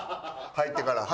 入ってから。